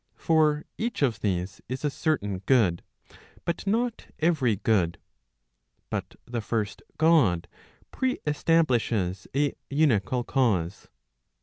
For each of these is a certain good, but not every good. But the first God pre establishes a unical cause.